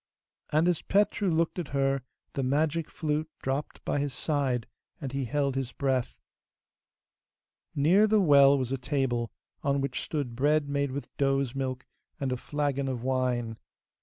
And as Petru looked at her the magic flute dropped by his side, and he held his breath. Near the well was a table, on which stood bread made with does' milk, and a flagon of wine.